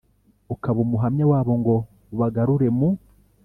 ukaba umuhamya wabo ngo ubagarure mu